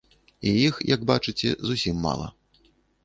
І іх, як бачыце, зусім мала.